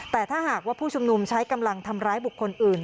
แต่ถ้าหากว่าผู้ชุมนุมใช้กำลังทำร้ายบุคคลอื่น